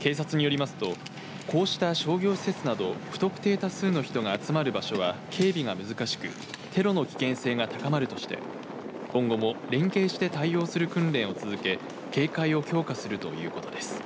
警察によりますと、こうした商業施設など不特定多数の人が集まる場所は警備が難しくテロの危険性が高まるとして今後も連携して対応する訓練を続け警戒を強化するということです。